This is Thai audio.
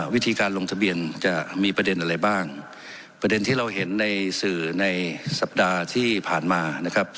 วิธีการลงทะเบียนจะมีประเด็นอะไรบ้างประเด็นที่เราเห็นในสื่อในสัปดาห์ที่ผ่านมานะครับ